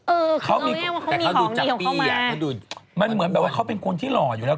เออคือเขามีของดีของเขามามันเหมือนแบบว่าเขาเป็นคนที่หล่ออยู่แล้ว